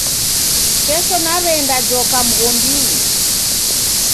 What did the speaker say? Kesho naw'eenda joka mghondinyi